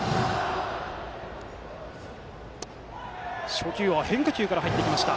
初球は変化球から入ってきました。